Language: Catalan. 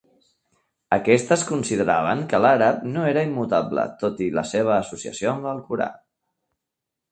Aquests consideraven que l'àrab no era immutable tot i la seva associació amb l'Alcorà.